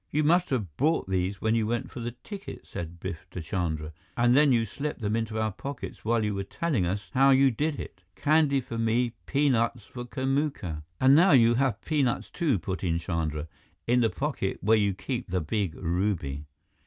"You must have bought these when you went for the tickets," said Biff to Chandra, "and then you slipped them into our pockets while you were telling us how you did it! Candy for me peanuts for Kamuka " "And now you have peanuts, too," put in Chandra, "in the pocket where you keep the big ruby."